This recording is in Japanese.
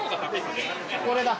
これだ。